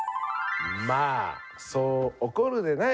「まあそう怒るでない」